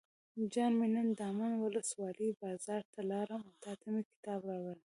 جان مې نن دامن ولسوالۍ بازار ته لاړم او تاته مې کتاب راوړل.